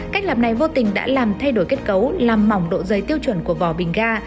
cách làm này vô tình đã làm thay đổi kết cấu làm mỏng độ dày tiêu chuẩn của vỏ bình ga